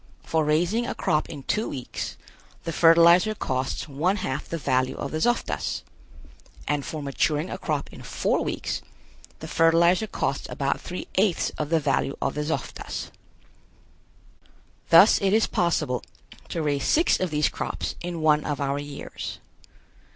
For raising a crop in two weeks the fertilizer costs one half the value of the zoftas, and for maturing a crop in four weeks the fertilizer costs about three eighths of the value of the zoftas. Thus it is possible to raise six of these crops in one of our years.